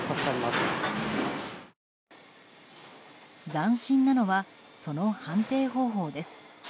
斬新なのはその判定方法です。